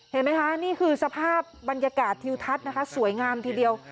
เห็นไหมคะนี่คือสภาพบรรยากาศทิวทัศน์นะคะสวยงามทีเดียว